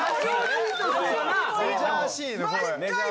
メジャーシーン。